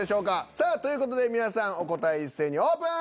さあという事で皆さんお答え一斉にオープン。